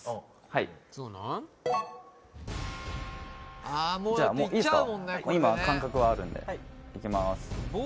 はいじゃあもういいですか今感覚はあるんでいきまーす